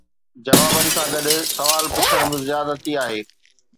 جوابن سان گڏ سوال پڇڻ به زيادتي آهي